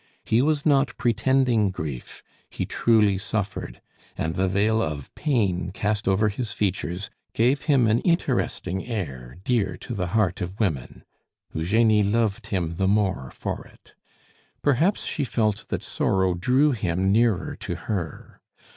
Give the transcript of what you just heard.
He was not pretending grief, he truly suffered; and the veil of pain cast over his features gave him an interesting air dear to the heart of women. Eugenie loved him the more for it. Perhaps she felt that sorrow drew him nearer to her.